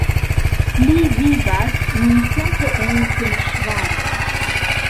Li vivas nuntempe en Temeŝvaro.